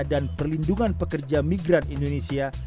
perlindungan pekerja migran indonesia